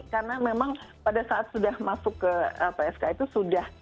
karena memang pada saat sudah masuk ke psk itu